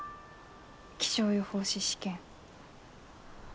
気象予報士試験。